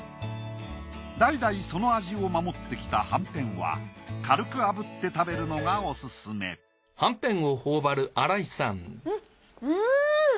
代々その味を守ってきたはんぺんは軽くあぶって食べるのがオススメん！